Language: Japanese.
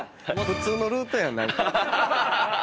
普通のルートやん。